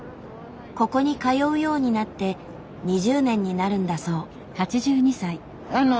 ここに通うようになって２０年になるんだそう。